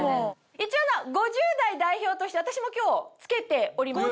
一応５０代代表として私も今日着けております。